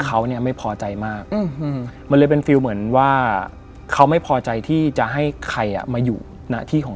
ไทยรัฐทีวีช่อง๓๒